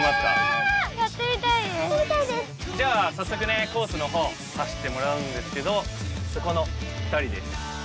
じゃあさっそくねコースの方走ってもらうんですけどこの２人です。